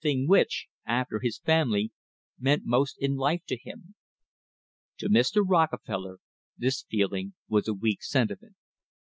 thing which, after his family, meant most in life to him. To Mr. Rockefeller this feeling was a weak sentiment.